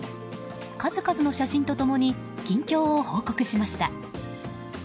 数々の写真と共に近況を報告しました。